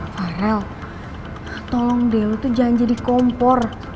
farel tolong deh lo tuh jangan jadi kompor